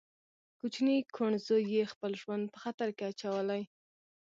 کوچني کوڼ زوی يې خپل ژوند په خطر کې اچولی.